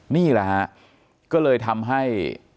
นี่แหละฮะก็เลยทำให้